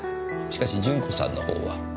しかし順子さんの方は。